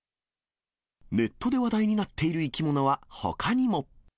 ネットで話題になっている生き物はほかにも。